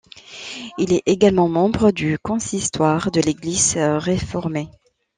Il est également membre du consistoire de l'Église réformée.